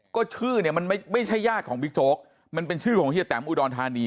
ก็ชื่อเนี่ยมันไม่ใช่ญาติของบิ๊กโจ๊กมันเป็นชื่อของเฮียแตมอุดรธานี